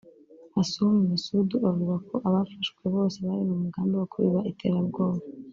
Hassoumi Massaoudou avuga ko abafashwe bose bari mu mugambi wo kubiba iterabwoba